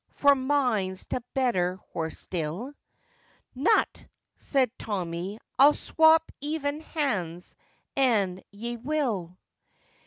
for mine's t'better horse still!' 'Nout,' says Tommy, 'I'll swop ivven hands, an' ye will.